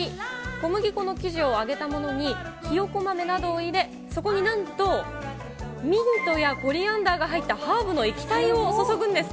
小麦粉の生地を揚げたものにひよこ豆などを入れ、そこになんと、ミントやコリアンダーが入ったハーブの液体を注ぐんです。